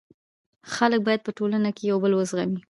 خلک باید په ټولنه کي یو بل و زغمي.